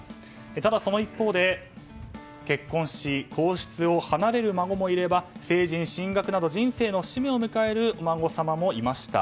ただ、その一方で結婚し、皇室を離れる孫もいれば成人、進学など人生の節目を迎えるお孫さまもいました。